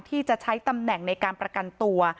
ที่จะใช้ตำแหน่งในการประกันตัว